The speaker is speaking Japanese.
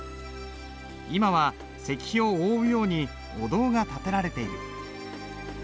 今は石碑を覆うようにお堂が建てられている。